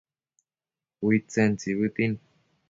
Uidtsen tsibëtin